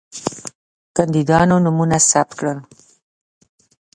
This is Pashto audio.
کاندیدانو نومونه ثبت کړل.